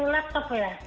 speaker di laptop ya